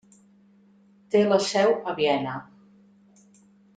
Té la seu a Viena.